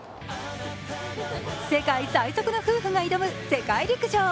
世界最速の夫婦が挑む世界陸上。